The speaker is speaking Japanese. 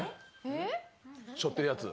しょってるやつ。